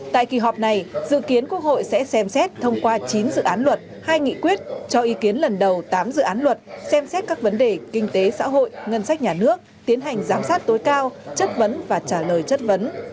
tại kỳ họp này dự kiến quốc hội sẽ xem xét thông qua chín dự án luật hai nghị quyết cho ý kiến lần đầu tám dự án luật xem xét các vấn đề kinh tế xã hội ngân sách nhà nước tiến hành giám sát tối cao chất vấn và trả lời chất vấn